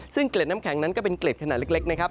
ซึ่งเกล็ดน้ำแข็งนั้นก็เป็นเกล็ดขนาดเล็กนะครับ